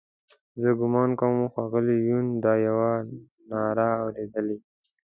زه ګومان کوم ښاغلي یون دا یوه ناره اورېدلې.